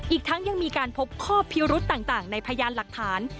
อีกทั้งยังมีการพบข้อพิรุษต่างในพยานหลักฐาน